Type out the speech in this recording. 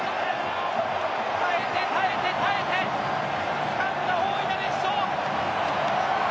耐えて、耐えて、耐えてつかんだ大いなる１勝。